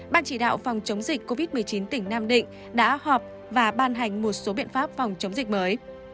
ban chỉ đạo phòng chống dịch covid một mươi chín tỉnh nam định đã họp và ban hành một số biện pháp phòng chống dịch mới